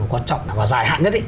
quan trọng và dài hạn nhất